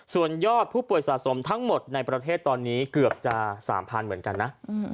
ส่วนยอดผู้ป่วยสะสมทั้งหมดในประเทศตอนนี้เกือบจะ๓๐๐๐เหมือนกันนะ